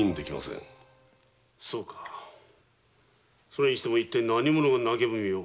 そうかそれにしても一体何者が投げ文を？